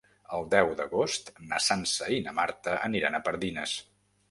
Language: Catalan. El deu d'agost na Sança i na Marta aniran a Pardines.